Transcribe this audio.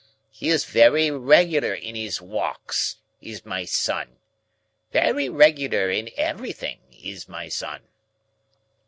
He is very regular in his walks, is my son. Very regular in everything, is my son."